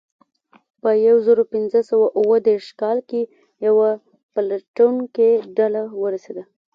په یو زرو پینځه سوه اوه دېرش کال کې یوه پلټونکې ډله ورسېده.